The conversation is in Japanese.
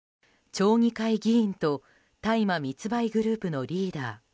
町議会議員と大麻密売グループのリーダー。